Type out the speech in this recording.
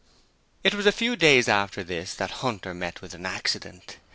It was a few days after this that Hunter met with an accident.